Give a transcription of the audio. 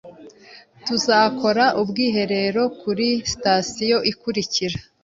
Tuzakora ubwiherero kuri sitasiyo ikurikira.